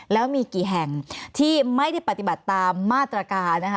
แล้วมีกี่แห่งที่ไม่ได้ปฏิบัติตามมาตรการนะคะ